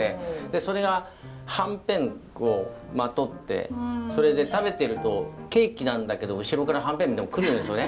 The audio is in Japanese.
それがはんぺんをまとってそれで食べてるとケーキなんだけど後ろからはんぺん来るんですよね。